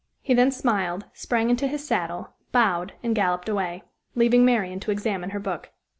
He then smiled, sprang into his saddle, bowed, and galloped away, leaving Marian to examine her book.